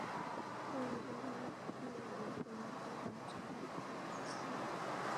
赴岳州托庇于湖南军阀赵恒惕。